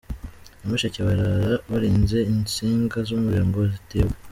Nyamashek Barara barinze intsinga z’umuriro ngo zitibwa